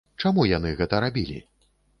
Чаму яны гэта рабілі?